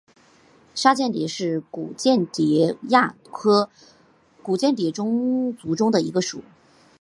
沙蚬蝶属是古蚬蝶亚科古蚬蝶族中的一个属。